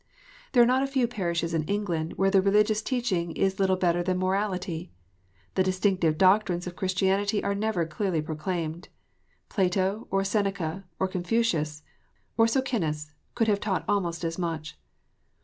There are not a few parishes in England where the religious teaching is little better than morality. The distinctive doctrines of Christianity are never clearly proclaimed. Plato, or Seneca, or Confucius, or Socinus, could have taught almost as much.